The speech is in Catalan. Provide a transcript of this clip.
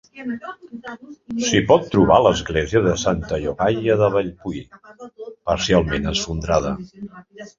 S'hi pot trobar l'església de Santa Llogaia de Bellpui, parcialment esfondrada.